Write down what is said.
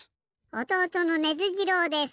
おとうとのネズ次郎です。